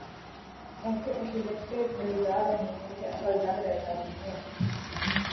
ایسے ایسے نکتے گھڑے جا رہے ہیں کہ عقل دنگ رہ جاتی ہے۔